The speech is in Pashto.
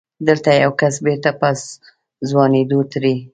دلته يو کس بېرته په ځوانېدو دی.